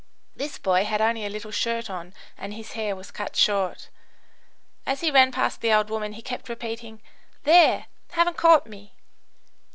This boy had only a little shirt on and his hair was cut short. As he ran past the old woman he kept repeating, "There, haven't caught me!"